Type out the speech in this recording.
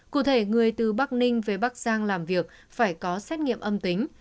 cụ thể người từ bắc ninh về bắc giang làm việc phải có xét nghiệm âm tính